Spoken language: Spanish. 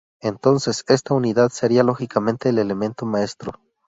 Entonces esta unidad sería lógicamente el elemento maestro.